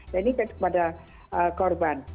dan ini kepada korban